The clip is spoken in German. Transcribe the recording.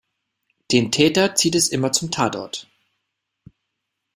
Den Täter zieht es immer zum Tatort.